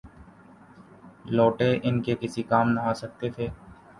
لوٹے ان کے کسی کام نہ آ سکتے تھے۔